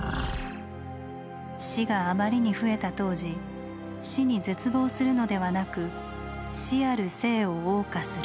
死があまりに増えた当時死に絶望するのではなく死ある生を謳歌する。